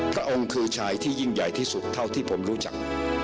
พระองค์คือชายที่ยิ่งใหญ่ที่สุดเท่าที่ผมรู้จัก